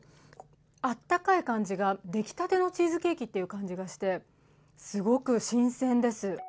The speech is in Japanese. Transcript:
温かい感じが出来たてのチーズケーキって感じがしてすごく新鮮です。